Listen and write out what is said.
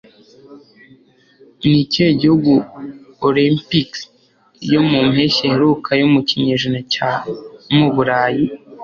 Ni ikihe gihugu Olypics yo mu mpeshyi iheruka yo mu kinyejana cya mu Burayi?